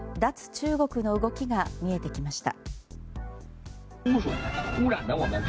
中国の動きが見えてきました。